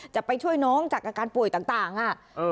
จะไปช่วยน้องจากอาการป่วยต่างอ่ะ